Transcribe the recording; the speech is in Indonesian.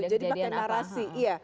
jadi pakai narasi